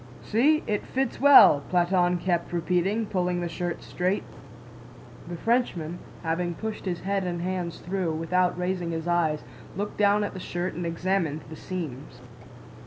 "See, it fits well!" Platón kept repeating, pulling the shirt straight. The Frenchman, having pushed his head and hands through, without raising his eyes, looked down at the shirt and examined the seams.